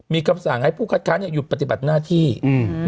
มีคำสั่งให้ผู้คัดค้าเนี้ยหยุดปฏิบัติหน้าที่อืม